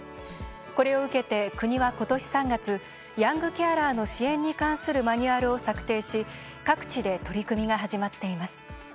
これを受けて国は今年３月ヤングケアラーの支援に関するマニュアルを策定し各地で取り組みが始まっています。